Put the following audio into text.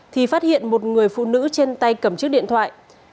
thì phát hiện một người phụ nữ trên tay cầm chiếc điện thoại